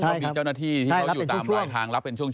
ก็มีเจ้าหน้าที่ที่เขาอยู่ตามรายทางรับเป็นช่วง